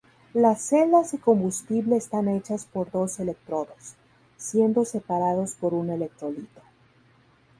Las celdas de combustible están hechas por dos electrodos, siendo separados por un electrolito.